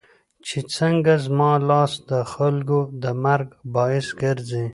چې څنګه زما لاس دخلکو د مرګ باعث ګرځي